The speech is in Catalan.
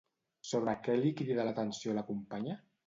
Sobre què li crida l'atenció la companya?